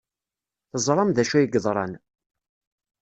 Teẓram d acu ay yeḍran.